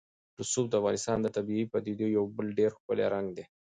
رسوب د افغانستان د طبیعي پدیدو یو بل ډېر ښکلی رنګ دی.